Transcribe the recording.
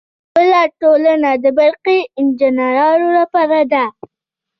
بله ټولنه د برقي انجینرانو لپاره ده.